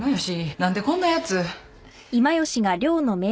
何でこんなやつ。